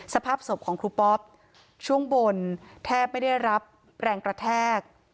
สภาพศพของครูปอ๊อปช่วงบนแทบไม่ได้รับแรงกระแทก